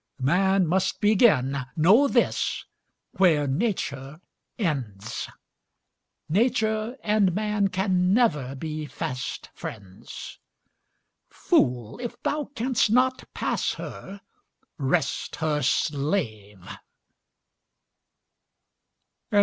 Man must begin, know this, where Nature ends; Nature and man can never be fast friends. Fool, if thou canst not pass her, rest her slave!